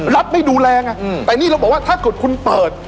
ไม่ดูแลแต่นี่เราบอกว่าถ้าเกิดคุณเปิด